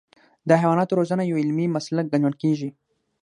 د حیواناتو روزنه یو علمي مسلک ګڼل کېږي.